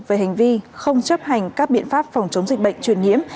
về hành vi không chấp hành các biện pháp phòng chống dịch bệnh truyền nhiễm